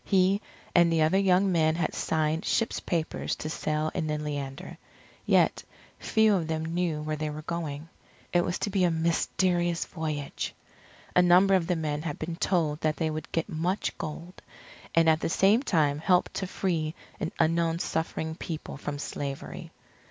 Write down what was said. He and the other young men had signed ship's papers to sail in the Leander, yet few of them knew where they were going. It was to be a mysterious voyage. A number of the men had been told that they would get much gold, and at the same time help to free an unknown suffering people from slavery.